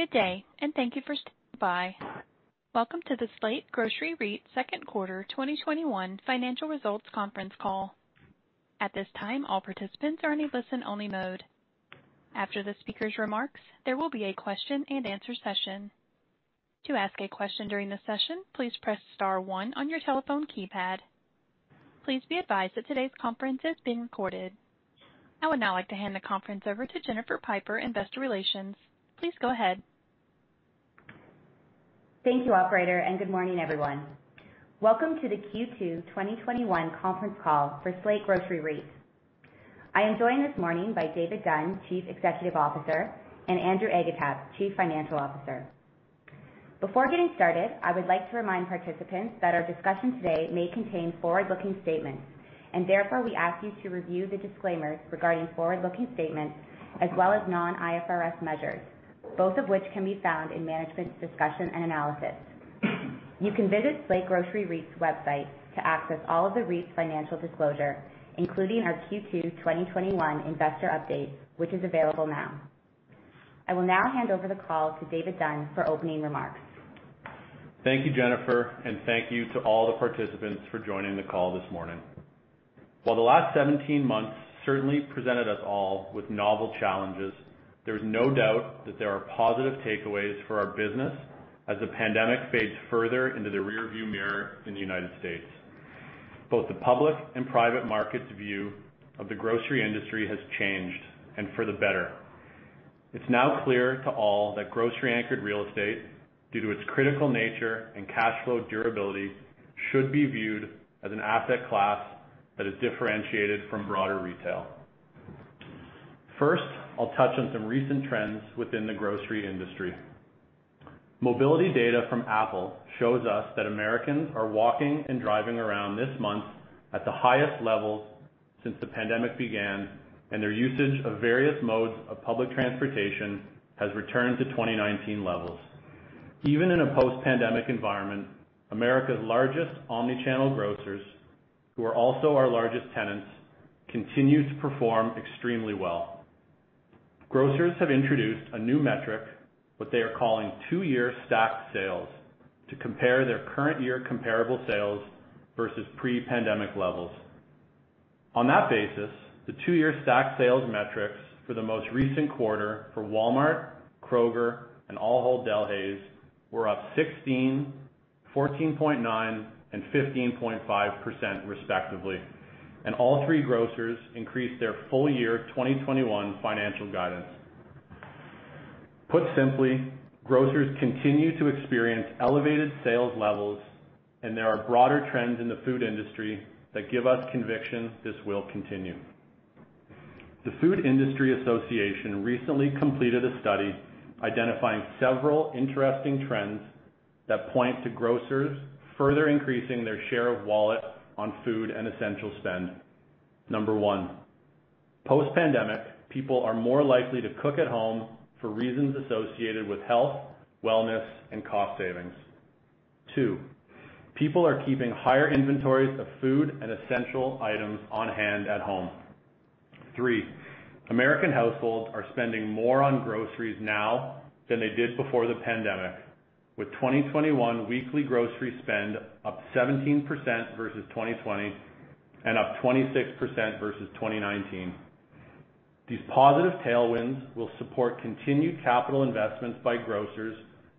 Good day, and thank you for standing by. Welcome to the Slate Grocery REIT Second Quarter 2021 Financial Results Conference Call. At this time, all participants are in a listen-only mode. After the speakers' remarks, there will be a question and answer session. I would now like to hand the conference over to Jennifer Pyper in Investor Relations. Please go ahead. Thank you, operator. Good morning, everyone. Welcome to the Q2 2021 conference call for Slate Grocery REIT. I am joined this morning by David Dunn, Chief Executive Officer, and Andrew Agatep, Chief Financial Officer. Before getting started, I would like to remind participants that our discussion today may contain forward-looking statements. Therefore, we ask you to review the disclaimers regarding forward-looking statements as well as non-International Financial Reporting Standards measures, both of which can be found in Management's Discussion and Analysis. You can visit Slate Grocery REIT's website to access all of the REIT's financial disclosure, including our Q2 2021 investor update, which is available now. I will now hand over the call to David Dunn for opening remarks. Thank you, Jennifer, and thank you to all the participants for joining the call this morning. While the last 17 months certainly presented us all with novel challenges, there's no doubt that there are positive takeaways for our business as the pandemic fades further into the rearview mirror in the U.S. Both the public and private market's view of the grocery industry has changed, and for the better. It's now clear to all that grocery-anchored real estate, due to its critical nature and cash flow durability, should be viewed as an asset class that is differentiated from broader retail. First, I'll touch on some recent trends within the grocery industry. Mobility data from Apple shows us that Americans are walking and driving around this month at the highest levels since the pandemic began, and their usage of various modes of public transportation has returned to 2019 levels. Even in a post-pandemic environment, America's largest omni-channel grocers, who are also our largest tenants, continue to perform extremely well. Grocers have introduced a new metric, what they are calling two-year stacked sales, to compare their current year comparable sales versus pre-pandemic levels. On that basis, the two-year stacked sales metrics for the most recent quarter for Walmart, Kroger, and Ahold Delhaize were up 16%, 14.9%, and 15.5% respectively, and all three grocers increased their full year 2021 financial guidance. Put simply, grocers continue to experience elevated sales levels and there are broader trends in the food industry that give us conviction this will continue. The Food Industry Association recently completed a study identifying several interesting trends that point to grocers further increasing their share of wallet on food and essential spend. Number one, post-pandemic, people are more likely to cook at home for reasons associated with health, wellness, and cost savings. Two, people are keeping higher inventories of food and essential items on hand at home. Three, American households are spending more on groceries now than they did before the pandemic, with 2021 weekly grocery spend up 17% versus 2020 and up 26% versus 2019. These positive tailwinds will support continued capital investments by grocers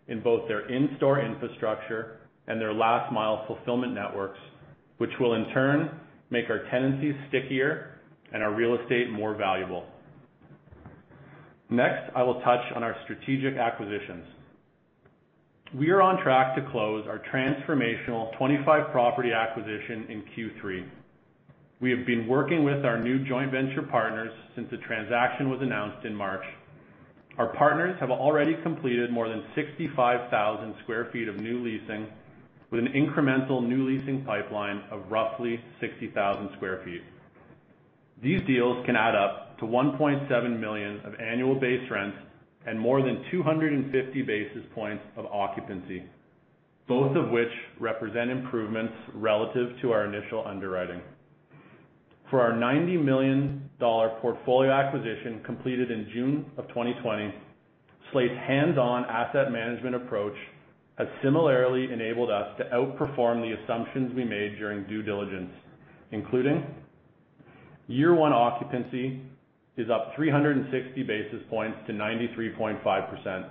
in both their in-store infrastructure and their last-mile fulfillment networks, which will in turn make our tenancies stickier and our real estate more valuable. Next, I will touch on our strategic acquisitions. We are on track to close our transformational 25-property acquisition in Q3. We have been working with our new joint venture partners since the transaction was announced in March. Our partners have already completed more than 65,000 sq ft of new leasing with an incremental new leasing pipeline of roughly 60,000 sq ft. These deals can add up to $1.7 million of annual base rents and more than 250 basis points of occupancy, both of which represent improvements relative to our initial underwriting. For our $90 million portfolio acquisition completed in June of 2020, Slate's hands-on asset management approach has similarly enabled us to outperform the assumptions we made during due diligence, including year one occupancy is up 360 basis points to 93.5%.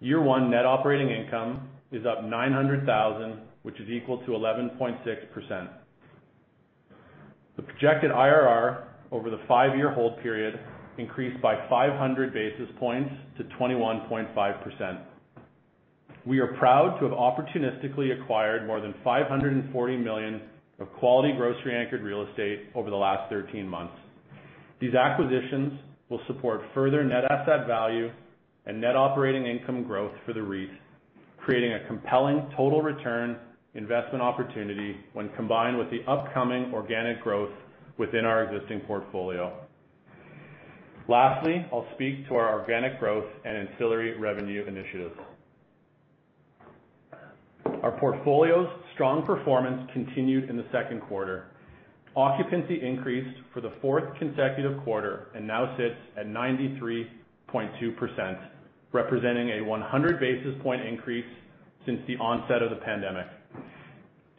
Year one net operating income is up $900,000, which is equal to 11.6%. The projected internal rate of return over the five-year hold period increased by 500 basis points to 21.5%. We are proud to have opportunistically acquired more than $540 million of quality grocery-anchored real estate over the last 13 months. These acquisitions will support further net asset value and net operating income growth for the REIT, creating a compelling total return investment opportunity when combined with the upcoming organic growth within our existing portfolio. Lastly, I'll speak to our organic growth and ancillary revenue initiatives. Our portfolio's strong performance continued in the second quarter. Occupancy increased for the fourth consecutive quarter and now sits at 93.2%, representing a 100 basis point increase since the onset of the pandemic.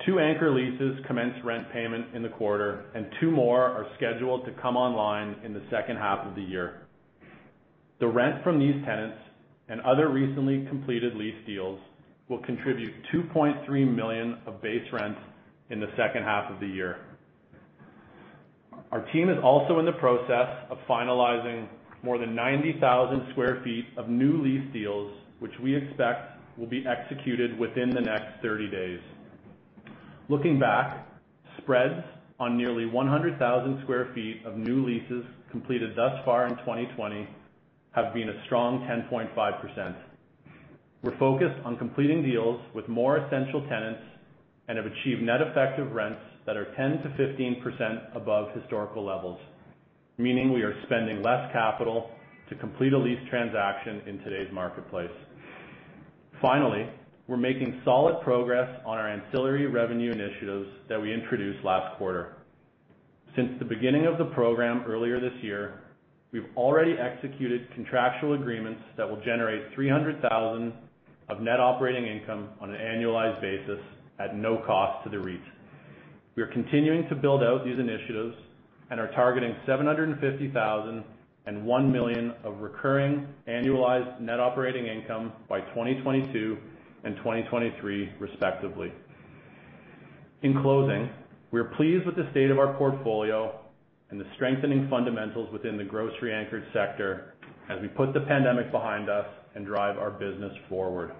Two anchor leases commenced rent payment in the quarter, and two more are scheduled to come online in the second half of the year. The rent from these tenants and other recently completed lease deals will contribute $2.3 million of base rents in the second half of the year. Our team is also in the process of finalizing more than 90,000 sq ft of new lease deals, which we expect will be executed within the next 30 days. Looking back, spreads on nearly 100,000 sq ft of new leases completed thus far in 2020 have been a strong 10.5%. We're focused on completing deals with more essential tenants and have achieved net effective rents that are 10%-15% above historical levels, meaning we are spending less capital to complete a lease transaction in today's marketplace. Finally, we're making solid progress on our ancillary revenue initiatives that we introduced last quarter. Since the beginning of the program earlier this year, we've already executed contractual agreements that will generate $300,000 of net operating income on an annualized basis at no cost to the REIT. We are continuing to build out these initiatives and are targeting $750,000 and $1 million of recurring annualized net operating income by 2022 and 2023 respectively. In closing, we are pleased with the state of our portfolio and the strengthening fundamentals within the grocery-anchored sector as we put the pandemic behind us and drive our business forward.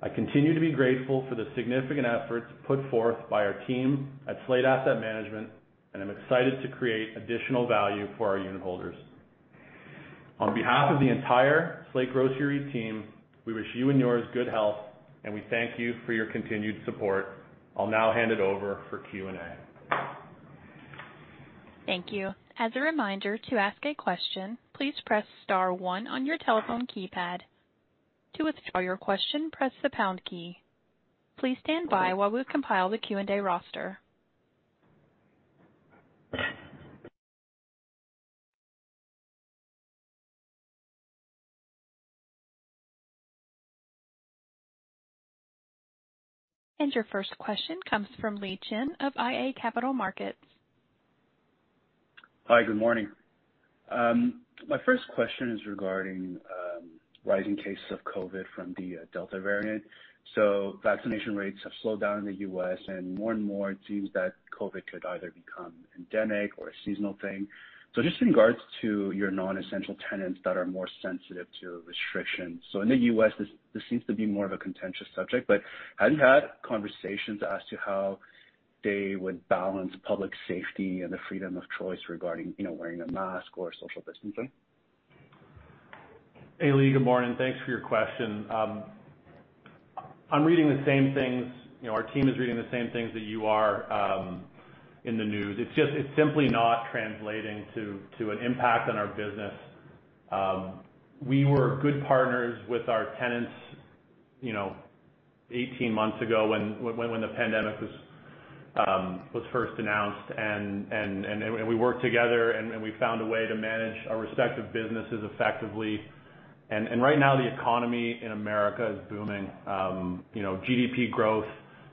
I continue to be grateful for the significant efforts put forth by our team at Slate Asset Management, and I'm excited to create additional value for our unitholders. On behalf of the entire Slate Grocery team, we wish you and yours good health, and we thank you for your continued support. I'll now hand it over for Q&A. Thank you. As a reminder to ask a question, please press star one on your telephone keypad. To withdraw your question press the pound key. Please standby while we compile the Q&A roster. Your first question comes from Li Chen of iA Capital Markets. Hi, good morning. My first question is regarding rising cases of COVID from the Delta variant. Vaccination rates have slowed down in the U.S., and more and more it seems that COVID could either become endemic or a seasonal thing. Just in regards to your non-essential tenants that are more sensitive to restrictions. In the U.S., this seems to be more of a contentious subject, but have you had conversations as to how they would balance public safety and the freedom of choice regarding wearing a mask or social distancing? Hey, Li, good morning. Thanks for your question. I'm reading the same things, our team is reading the same things that you are, in the news. It's just simply not translating to an impact on our business. We were good partners with our tenants 18 months ago when the pandemic was first announced. We worked together, and we found a way to manage our respective businesses effectively. Right now, the economy in America is booming. Gross domestic product growth,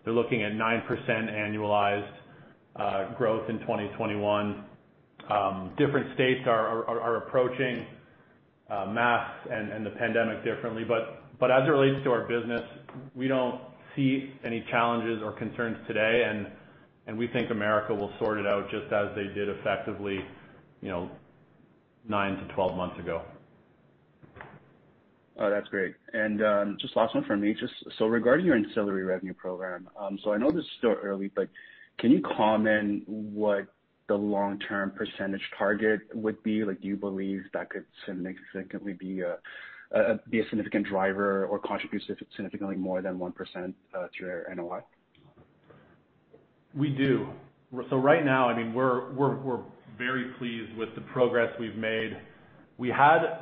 they're looking at 9% annualized growth in 2021. Different states are approaching masks and the pandemic differently. As it relates to our business, we don't see any challenges or concerns today, and we think America will sort it out just as they did effectively nine to 12 months ago. Oh, that's great. Just last one from me. Regarding your ancillary revenue program, I know this is still early, but can you comment what the long-term percentage target would be? Do you believe that could significantly be a significant driver or contribute significantly more than 1% to your NOI? We do. Right now, we're very pleased with the progress we've made. We had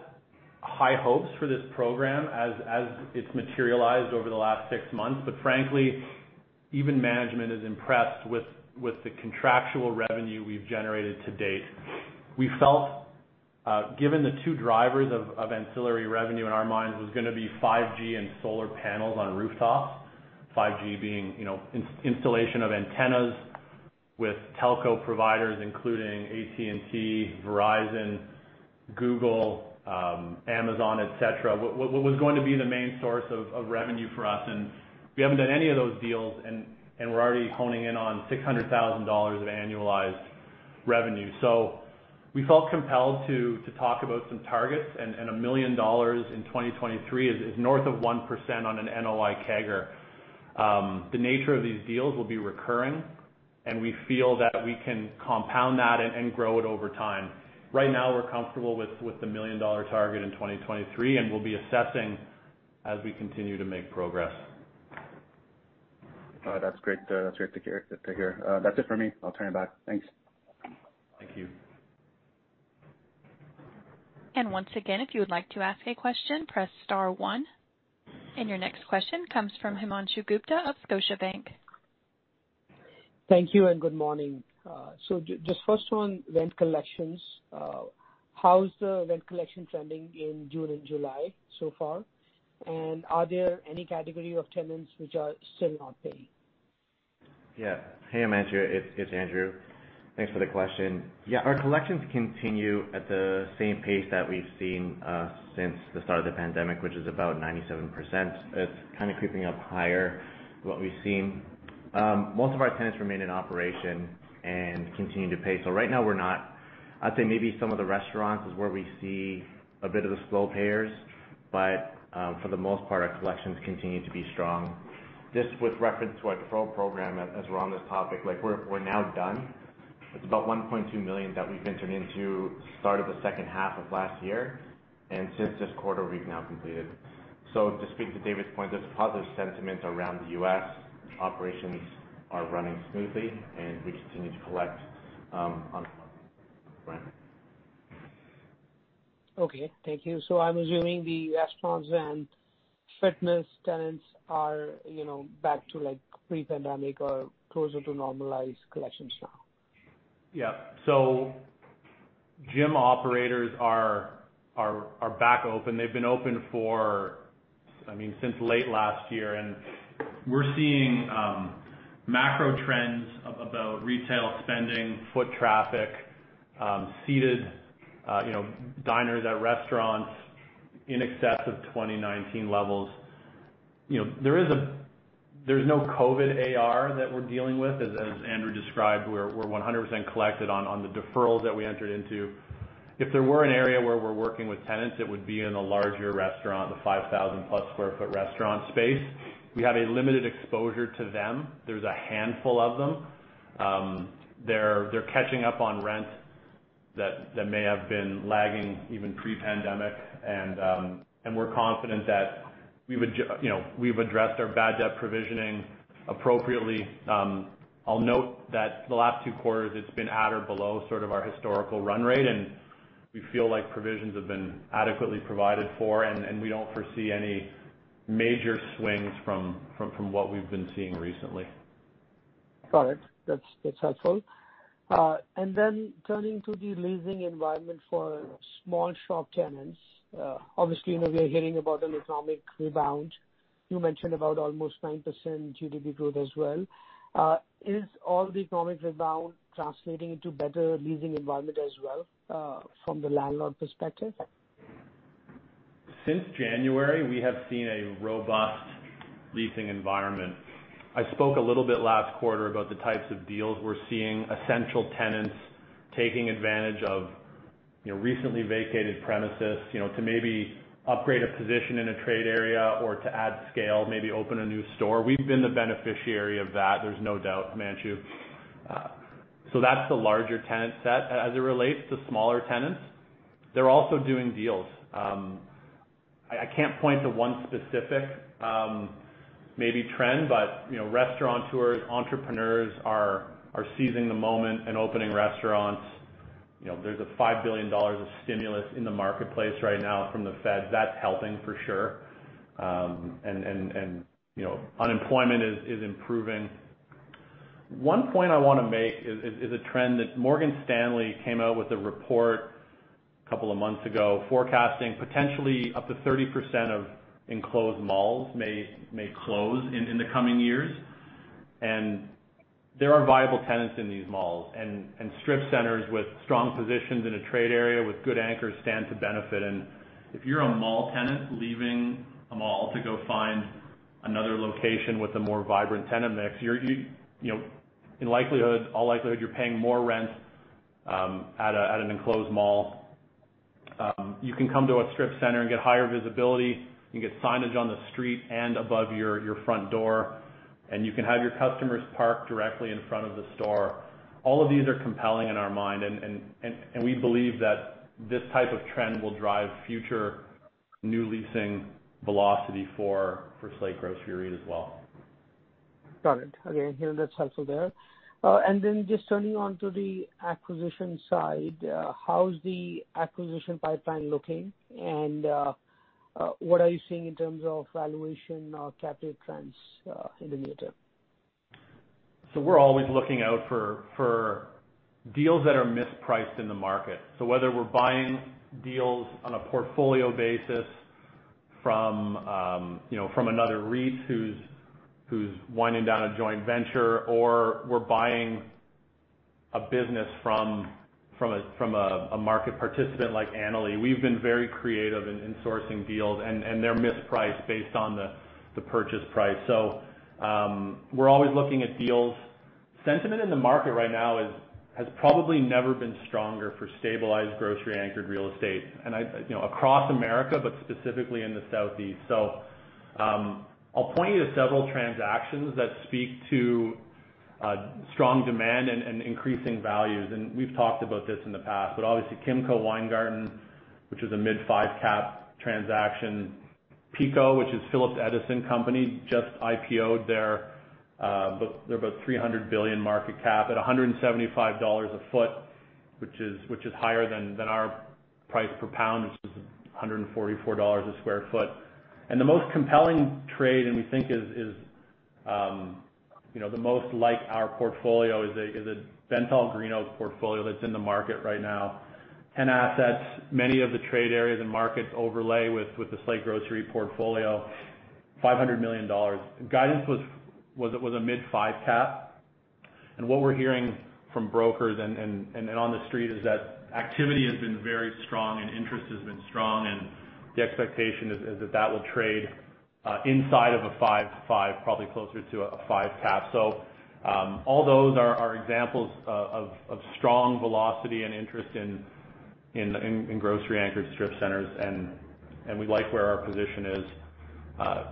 high hopes for this program as it's materialized over the last six months, frankly, even management is impressed with the contractual revenue we've generated to date. We felt, given the two drivers of ancillary revenue in our minds was going to be 5G and solar panels on rooftops. 5G being installation of antennas with telco providers, including AT&T, Verizon, Google, Amazon, et cetera, was going to be the main source of revenue for us, we haven't done any of those deals, and we're already honing in on $600,000 of annualized revenue. We felt compelled to talk about some targets, $1 million in 2023 is north of 1% on an NOI CAGR. The nature of these deals will be recurring, and we feel that we can compound that and grow it over time. Right now, we're comfortable with the $1 million target in 2023, and we'll be assessing as we continue to make progress. Oh, that's great to hear. That's it for me. I'll turn it back. Thanks. Thank you. Once again, if you would like to ask a question, press star one. Your next question comes from Himanshu Gupta of Scotiabank. Thank you, good morning. Just first on rent collections, how's the rent collection trending in June and July so far? Are there any category of tenants which are still not paying? Yeah. Hey, Himanshu, it's Andrew. Thanks for the question. Yeah, our collections continue at the same pace that we've seen since the start of the pandemic, which is about 97%. It's kind of creeping up higher, what we've seen. Most of our tenants remain in operation and continue to pay. Right now, I'd say maybe some of the restaurants is where we see a bit of the slow payers, but, for the most part, our collections continue to be strong. With reference to our pro program, as we're on this topic, we're now done. It's about $1.2 million that we've entered into start of the second half of last year, and since this quarter, we've now completed. To speak to David's point, there's positive sentiment around the U.S. Operations are running smoothly, and we continue to collect on rent. Okay. Thank you. I'm assuming the restaurants and fitness tenants are back to pre-pandemic or closer to normalized collections now. Yeah. Gym operators are back open. They've been open for, I mean, since late last year. We're seeing macro trends about retail spending, foot traffic, seated diners at restaurants in excess of 2019 levels. There's no COVID accounts receivable that we're dealing with, as Andrew described. We're 100% collected on the deferrals that we entered into. If there were an area where we're working with tenants, it would be in the larger restaurant, the 5,000+ sq ft restaurant space. We have a limited exposure to them. There's a handful of them. They're catching up on rent that may have been lagging even pre-pandemic. We're confident that we've addressed our bad debt provisioning appropriately. I'll note that the last two quarters it's been at or below sort of our historical run rate, and we feel like provisions have been adequately provided for, and we don't foresee any major swings from what we've been seeing recently. Got it. That's helpful. Turning to the leasing environment for small shop tenants. Obviously, we are hearing about an economic rebound. You mentioned about almost 9% GDP growth as well. Is all the economic rebound translating into better leasing environment as well from the landlord perspective? Since January, we have seen a robust leasing environment. I spoke a little bit last quarter about the types of deals we're seeing, essential tenants taking advantage of recently vacated premises to maybe upgrade a position in a trade area or to add scale, maybe open a new store. We've been the beneficiary of that, there's no doubt, Himanshu. That's the larger tenant set. As it relates to smaller tenants, they're also doing deals. I can't point to one specific maybe trend, but restaurateurs, entrepreneurs are seizing the moment and opening restaurants. There's a $5 billion of stimulus in the marketplace right now from the Feds. That's helping for sure. Unemployment is improving. One point I want to make is a trend that Morgan Stanley came out with a report a couple of months ago forecasting potentially up to 30% of enclosed malls may close in the coming years. There are viable tenants in these malls, and strip centers with strong positions in a trade area with good anchors stand to benefit. If you're a mall tenant leaving a mall to go find another location with a more vibrant tenant mix, in all likelihood, you're paying more rent at an enclosed mall. You can come to a strip center and get higher visibility. You can get signage on the street and above your front door. You can have your customers park directly in front of the store. All of these are compelling in our mind, and we believe that this type of trend will drive future new leasing velocity for Slate Grocery REIT as well. Got it. Okay. That's helpful there. Just turning on to the acquisition side. How's the acquisition pipeline looking? What are you seeing in terms of valuation or capital trends in the near term? We're always looking out for deals that are mispriced in the market. Whether we're buying deals on a portfolio basis from another REIT who's winding down a joint venture, or we're buying a business from a market participant like Annaly. We've been very creative in sourcing deals, and they're mispriced based on the purchase price. We're always looking at deals. Sentiment in the market right now has probably never been stronger for stabilized grocery-anchored real estate. Across America, but specifically in the Southeast. I'll point you to several transactions that speak to strong demand and increasing values. We've talked about this in the past, but obviously Kimco-Weingarten, which is a mid five cap transaction. PECO, which is Phillips Edison & Company, just IPO'd their about $300 billion market cap at $175 a ft, which is higher than our price per pound, which is $144 a sq ft. The most compelling trade, and we think is the most like our portfolio, is a BentallGreenOak portfolio that's in the market right now. 10 assets, many of the trade areas and markets overlay with the Slate Grocery portfolio, $500 million. Guidance was a mid five cap. What we're hearing from brokers and on The Street is that activity has been very strong, and interest has been strong, and the expectation is that that will trade inside of a 5/5, probably closer to a five cap. All those are examples of strong velocity and interest in grocery anchored strip centers, and we like where our position is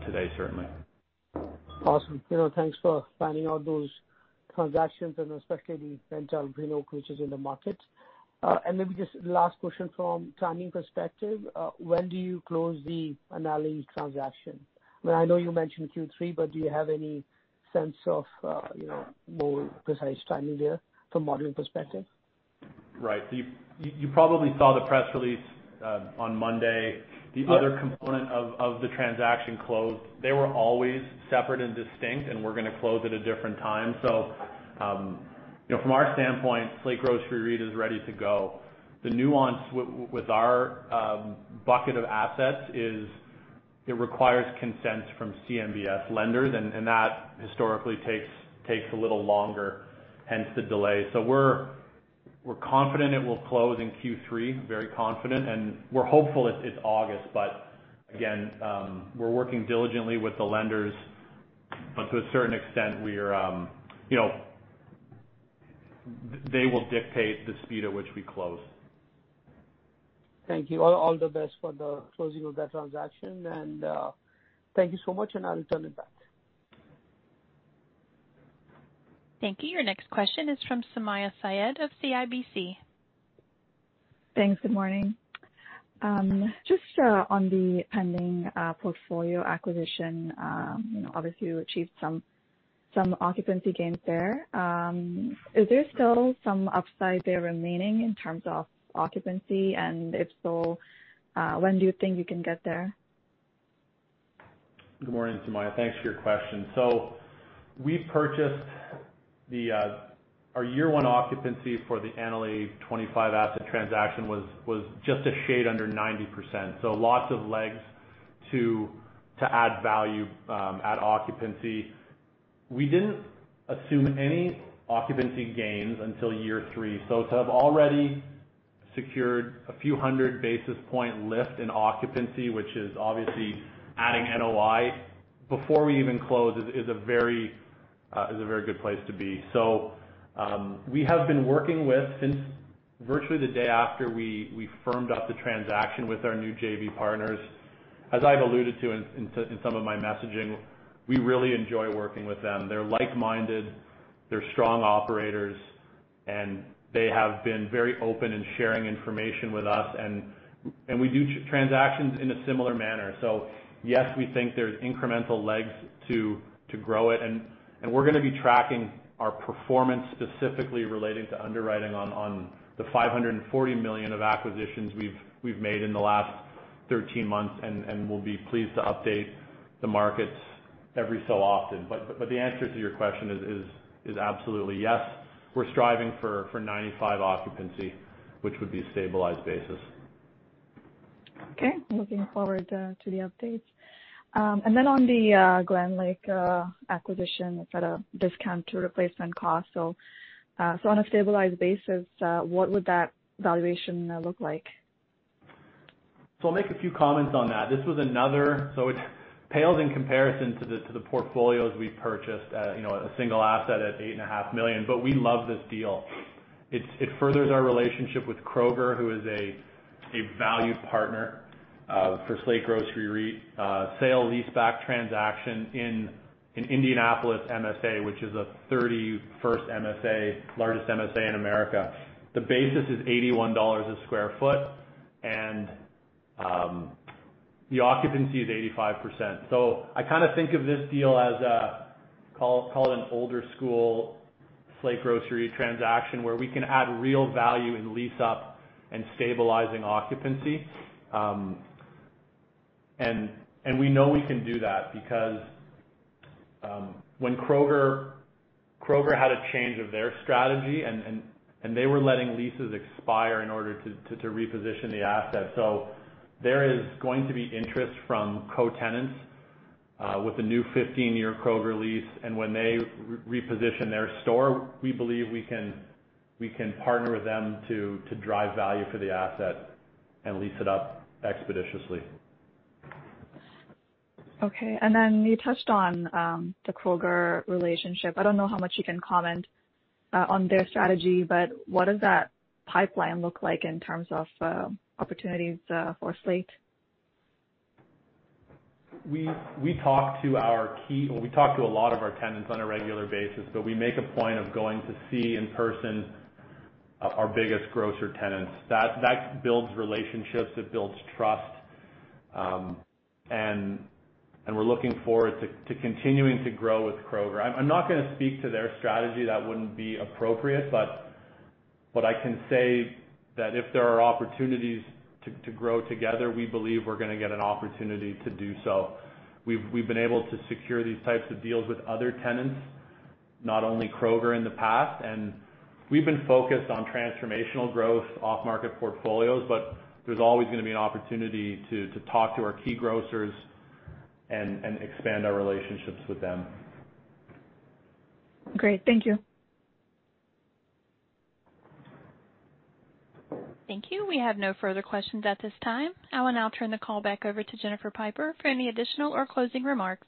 today, certainly. Awesome. Thanks for spelling out those transactions and especially the BentallGreenOak, which is in the market. Maybe just last question from timing perspective, when do you close the Annaly transaction? I know you mentioned Q3, but do you have any sense of more precise timing there from modeling perspective? Right. You probably saw the press release on Monday. The other component of the transaction closed. They were always separate and distinct, and were going to close at a different time. From our standpoint, Slate Grocery REIT is ready to go. The nuance with our bucket of assets is it requires consent from commercial mortgage-backed securities lenders, and that historically takes a little longer, hence the delay. We're confident it will close in Q3, very confident, and we're hopeful it's August. Again, we're working diligently with the lenders, but to a certain extent, they will dictate the speed at which we close. Thank you. All the best for the closing of that transaction. Thank you so much, and I'll turn it back Thank you. Your next question is from Sumayya Syed of CIBC Capital Markets. Thanks. Good morning. Just, on the pending portfolio acquisition. Obviously, you achieved some occupancy gains there. Is there still some upside there remaining in terms of occupancy? If so, when do you think you can get there? Good morning, Sumaya. Thanks for your question. We purchased our year one occupancy for the Annaly 25 asset transaction was just a shade under 90%. Lots of legs to add value, add occupancy. We didn't assume any occupancy gains until year three. To have already secured a few hundred basis point lift in occupancy, which is obviously adding NOI before we even close, is a very good place to be. We have been working with, since virtually the day after we firmed up the transaction with our new JV partners. As I've alluded to in some of my messaging, we really enjoy working with them. They're like-minded, they're strong operators, and they have been very open in sharing information with us, and we do transactions in a similar manner. Yes, we think there's incremental legs to grow it, and we're going to be tracking our performance specifically relating to underwriting on the $540 million of acquisitions we've made in the last 13 months, and we'll be pleased to update the markets every so often. The answer to your question is absolutely yes. We're striving for 95% occupancy, which would be a stabilized basis. Okay. Looking forward to the updates. On the Glenlake acquisition, it's at a discount to replacement cost. On a stabilized basis, what would that valuation look like? I'll make a few comments on that. This pales in comparison to the portfolios we've purchased at a single asset at $8.5 million, we love this deal. It furthers our relationship with Kroger, who is a valued partner for Slate Grocery REIT. Sale-leaseback transaction in Indianapolis metropolitan statistical area, which is a 31st MSA, largest MSA in the U.S. The basis is $81 per sq ft, and the occupancy is 85%. I kind of think of this deal as a, call it an older-school Slate Grocery transaction, where we can add real value in lease up and stabilizing occupancy. We know we can do that because when Kroger had a change of their strategy, and they were letting leases expire in order to reposition the asset. There is going to be interest from co-tenants, with the new 15-year Kroger lease. When they reposition their store, we believe we can partner with them to drive value for the asset and lease it up expeditiously. Okay. You touched on the Kroger relationship. I don't know how much you can comment on their strategy, but what does that pipeline look like in terms of opportunities for Slate? We talk to a lot of our tenants on a regular basis, but we make a point of going to see in person our biggest grocer tenants. That builds relationships, it builds trust. We're looking forward to continuing to grow with Kroger. I'm not going to speak to their strategy, that wouldn't be appropriate. What I can say that if there are opportunities to grow together, we believe we're going to get an opportunity to do so. We've been able to secure these types of deals with other tenants, not only Kroger in the past. We've been focused on transformational growth off market portfolios, but there's always going to be an opportunity to talk to our key grocers and expand our relationships with them. Great. Thank you. Thank you. We have no further questions at this time. I will now turn the call back over to Jennifer Pyper for any additional or closing remarks.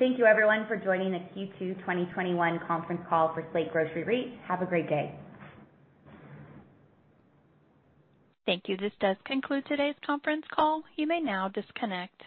Thank you, everyone, for joining the Q2 2021 conference call for Slate Grocery REIT. Have a great day. Thank you. This does conclude today's conference call. You may now disconnect.